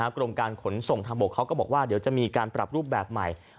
กรมการขนส่งทางบกเขาก็บอกว่าเดี๋ยวจะมีการปรับรูปแบบใหม่